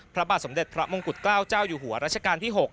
พระบาทสมเด็จพระมงกุฎเกล้าเจ้าอยู่หัวรัชกาลที่๖